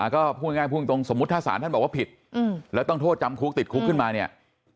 ก็พูดง่ายพูดตรงสมมุติถ้าสารท่านบอกว่าผิดแล้วต้องโทษจำคุกติดคุกขึ้นมาเนี่ย